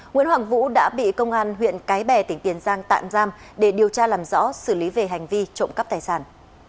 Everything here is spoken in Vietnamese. nguyễn hoàng vũ đã bị công an huyện cái bè tỉnh tiền giang tạm giam để điều tra làm rõ xử lý về hành vi trộm cắp tài sản